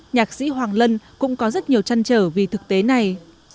nhạc sĩ hoàng lân cũng có rất nhiều chăn trở vì thực tế này